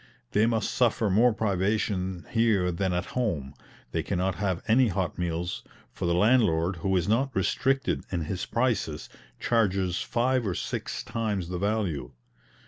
They must suffer more privation here than at home; they cannot have any hot meals, for the landlord, who is not restricted in his prices, charges five or six times the value.